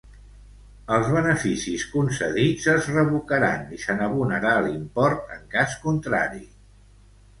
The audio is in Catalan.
Els beneficis concedits es revocaran i se n'abonarà l'import, en cas contrari.